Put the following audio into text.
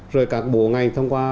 rồi các bộ ngành thông qua